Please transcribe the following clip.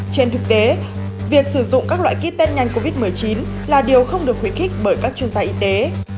trên thực tế việc sử dụng các loại ký test nhanh covid một mươi chín là điều không được khuyến khích bởi các chuyên gia y tế